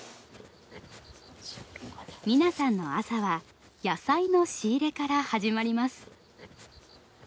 美奈さんの朝は野菜の仕入れから始まります。